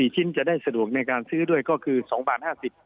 ๔ชิ้นจะได้สะดวกในการซื้อด้วยก็คือ๒บาท๕๐บาท